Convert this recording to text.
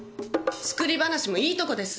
作り話もいいとこです！